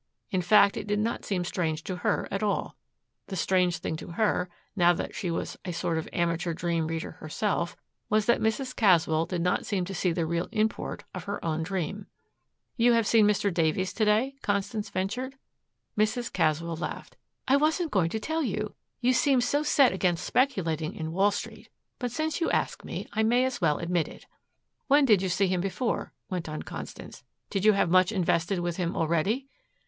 In fact it did not seem strange to her at all. The strange thing to her, now that she was a sort of amateur dream reader herself, was that Mrs. Caswell did not seem to see the real import of her own dream. "You have seen Mr. Davies to day?" Constance ventured. Mrs. Caswell laughed. "I wasn't going to tell you. You seemed so set against speculating in Wall Street. But since you ask me, I may as well admit it." "When did you see him before?" went on Constance. "Did you have much invested with him already?"